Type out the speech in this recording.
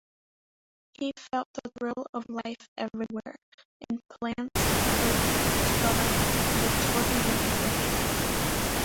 He felt the thrill of life everywhere, in plants, earth, stars, the total universe.